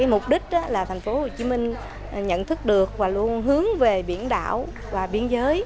mục đích là tp hcm nhận thức được và luôn hướng về biển đảo và biên giới